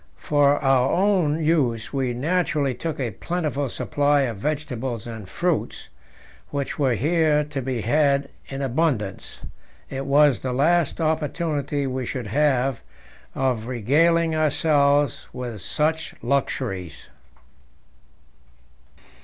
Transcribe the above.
For our own use we naturally took a plentiful supply of vegetables and fruits, which were here to be had in abundance; it was the last opportunity we should have of regaling ourselves with such luxuries.